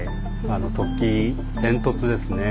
あの突起煙突ですね。